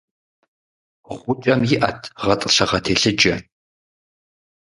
Гъукӏэм иӏэт гъэтӏылъыгъэ телъыджэ.